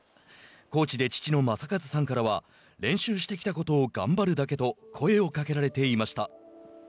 コーチで父の正和さんからは練習してきたことを頑張るだけと声をかけられていました。